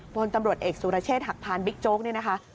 พลตำรวจเอกสุรเชษฐหักพานบิ๊กโจ๊กเนี่ยนะคะ